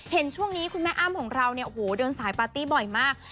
เห็นช่วงนี้คุณแม่อ้ำของเราเนี่ยโอ้โหเดินสายปาร์ตี้บ่อยมาก